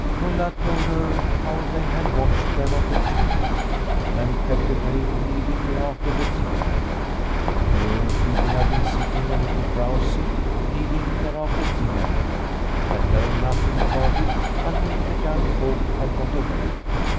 Ulla told her how they had watched their opportunity, and crept away immediately after the dinner. The old people had been sitting a little drowsy, needing their after dinner nap, and had known nothing about it until the young folk had got away.